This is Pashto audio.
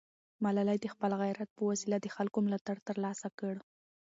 ملالۍ د خپل غیرت په وسیله د خلکو ملاتړ ترلاسه کړ.